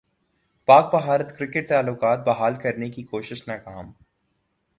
پاک بھارت کرکٹ تعلقات بحال کرنے کی کوشش ناکام